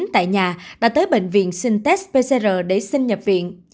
tại nhà đã tới bệnh viện xin test pcr để sinh nhập viện